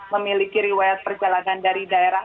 memiliki riwayat perjalanan dari daerah